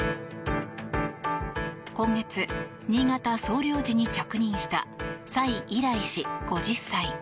今月、新潟総領事に着任したサイ・イライ氏、５０歳。